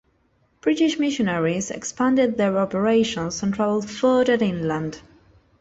British missionaries expanded their operations and travelled further inland.